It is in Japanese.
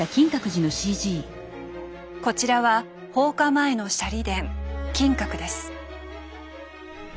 こちらは放火前の舎利殿金閣です。